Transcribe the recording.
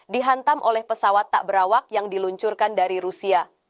dihantam oleh pesawat tak berawak yang diluncurkan dari rusia